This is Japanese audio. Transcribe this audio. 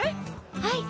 はい。